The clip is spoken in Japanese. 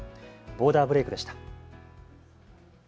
ボーダーブレイクでした。